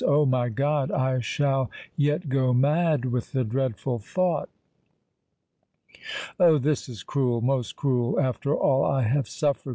Oh! my God—I shall yet go mad with the dreadful thought!" "Oh! this is cruel—most cruel, after all I have suffered!"